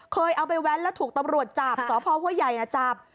เคยเอาไปแว้นแล้วถูกตำรวจจับสพห้วยใหญ่จับ